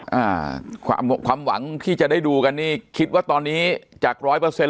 อ่าความความหวังที่จะได้ดูกันนี่คิดว่าตอนนี้จากร้อยเปอร์เซ็น